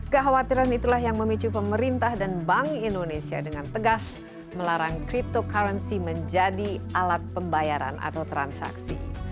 kekhawatiran itulah yang memicu pemerintah dan bank indonesia dengan tegas melarang cryptocurrency menjadi alat pembayaran atau transaksi